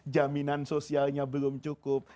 jaminan sosialnya belum cukup